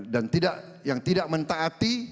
dan yang tidak mentaati